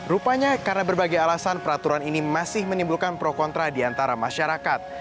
rupanya karena berbagai alasan peraturan ini masih menimbulkan pro kontra di antara masyarakat